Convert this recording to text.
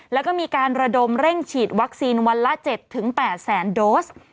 แล้วก็มีการระดมเร่งฉีดวัคซีนวันละ๗๘แสนโดส